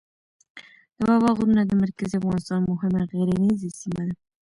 د بابا غرونه د مرکزي افغانستان مهمه غرنیزه سیمه ده.